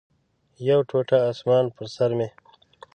یو ټوټه اسمان پر سر مې